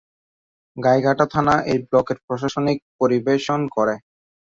গাইঘাটা থানা এই ব্লকের প্রশাসনিক পরিবেশন করে।